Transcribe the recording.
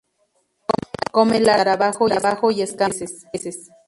Come larvas de escarabajo y escamas de peces.